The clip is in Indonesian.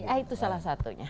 ya itu salah satunya